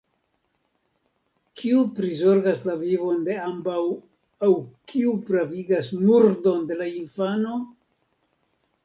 Kiu prizorgas la vivon de ambaŭ aŭ kiu pravigas murdon de la infano?